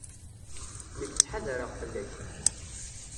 Nekk ttḥadareɣ fell-ak.